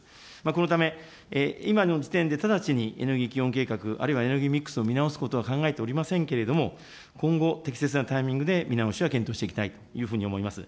このため、今の時点で直ちにエネルギー基本計画、あるいはエネルギーミックスを見直すことは考えておりませんけれども、今後、適切なタイミングで見直しは検討していきたいというふうに思います。